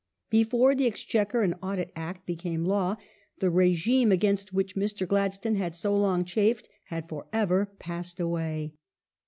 Before the Exchequer and Audit Act became law the The close regime against which Mr. Gladstone had so long chafed had for p Jj^gj. ever passed away.